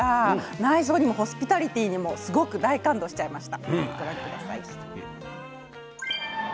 内装にもホスピタリティーにも大感動しちゃいました。